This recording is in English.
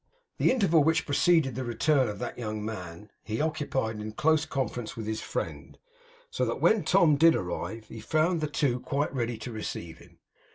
The interval which preceded the return of that young man, he occupied in a close conference with his friend; so that when Tom did arrive, he found the two quite ready to receive him.